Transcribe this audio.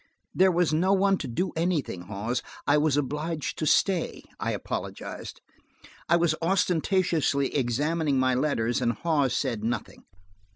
"There was no one to do anything, Hawes. I was obliged to stay," I apologized. I was ostentatiously examining my letters and Hawes said nothing.